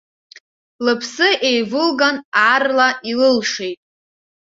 Лыԥсы еивылган, аарла илылшеит.